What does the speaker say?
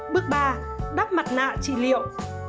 bước ba đắp mặt nạ trị liệu